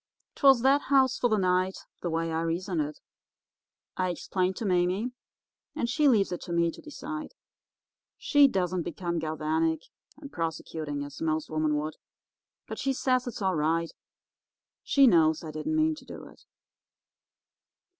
'Twas that house for the night, the way I reasoned it. I explained to Mame, and she leaves it to me to decide. She doesn't become galvanic and prosecuting, as most women would, but she says it's all right; she knows I didn't mean to do it.